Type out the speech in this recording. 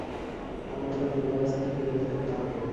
আমাদের ওর দুর্বল স্থান খুঁজে বের করতে হবে।